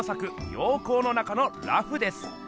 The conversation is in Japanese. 「陽光の中の裸婦」です。